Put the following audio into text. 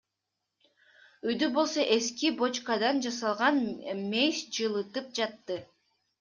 Үйдү болсо эски бочкадан жасалган меш жылытып жатты.